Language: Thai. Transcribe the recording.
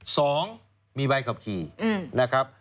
สองมีใบขับขี่นะครับ